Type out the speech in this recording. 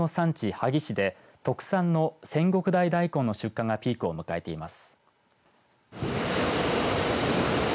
萩市で特産の千石台だいこんの出荷がピークを迎えています。